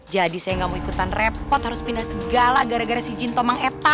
jadi saya enggak mau ikutan repot harus pindah segala gara gara si jin tomang eta